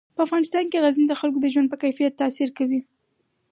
په افغانستان کې غزني د خلکو د ژوند په کیفیت تاثیر کوي.